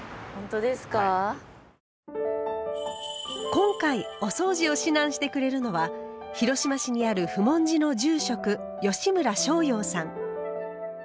今回おそうじを指南してくれるのは広島市にある普門寺の住職吉村昇洋さん。